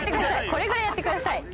これぐらいやってください。